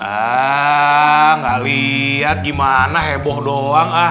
hah enggak lihat gimana heboh doang hah